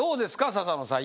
笹野さん